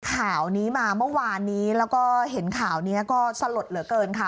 ข่าวนี้มาเมื่อวานนี้แล้วก็เห็นข่าวนี้ก็สลดเหลือเกินค่ะ